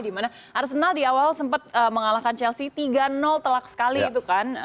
dimana arsenal di awal sempat mengalahkan chelsea tiga telak sekali itu kan